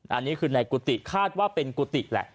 อันนี้คือในกุฏิคาดว่าเป็นกุฏิแหละ